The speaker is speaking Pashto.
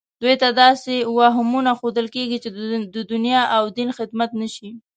دوی ته داسې وهمونه ښودل کېږي چې د دنیا او دین خدمت نه شي